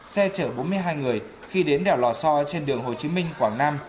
xe chở bốn mươi hai người khi đến đèo lò so trên đường hồ chí minh quảng nam